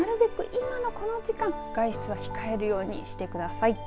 今のこの時間外出は控えるようにしてください。